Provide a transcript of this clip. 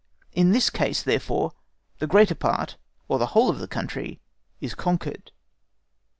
In this case, therefore, the greater part or the whole of the country is conquered.